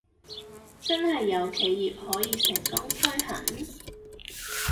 真係有企業可以成功推行?